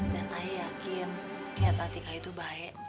dan saya yakin niat atika itu baik